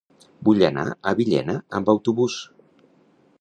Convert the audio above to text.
Vull anar a Villena amb autobús.